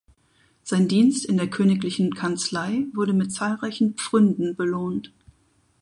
Sein Dienst in der königlichen Kanzlei wurde mit zahlreichen Pfründen belohnt.